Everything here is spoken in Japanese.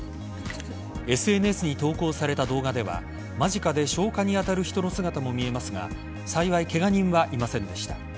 ＳＮＳに投稿された動画では間近で消火に当たる人の姿も見えますが幸い、ケガ人はいませんでした。